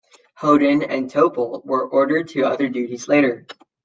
Hoden and Toeppel were ordered to other duties later.